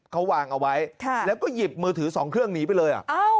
เขาวางเอาไว้แล้วก็หยิบมือถือ๒เครื่องหนีไปเลย